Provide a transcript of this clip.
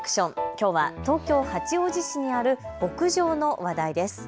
きょうは東京八王子市にある牧場の話題です。